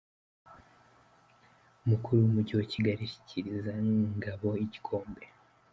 Umukuru w'Umujyi wa Kigali ashyikiriza Ngabo igikombe.